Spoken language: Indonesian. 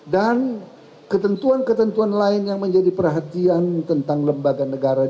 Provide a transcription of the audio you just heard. dan ketentuan ketentuan lain yang menjadi perhatian tentang lembaga negara